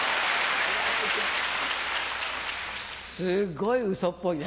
すっごいウソっぽいね。